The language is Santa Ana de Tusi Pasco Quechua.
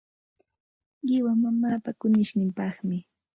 Qiwa mamaapa kunishninpaqmi.